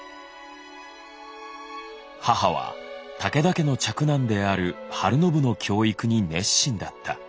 母は武田家の嫡男である晴信の教育に熱心だった。